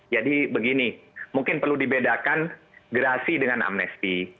jadi begini mungkin perlu dibedakan gerasi dengan amnesti